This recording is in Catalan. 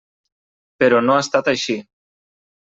Però no ha estat així.